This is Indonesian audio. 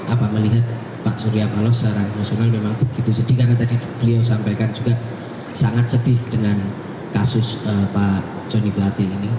apa melihat pak surya paloh secara emosional memang begitu sedih karena tadi beliau sampaikan juga sangat sedih dengan kasus pak joni plate ini